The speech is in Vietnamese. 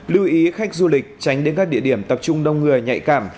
lưu ý khách du lịch tránh đến các địa điểm tập trung đông người nhạy cảm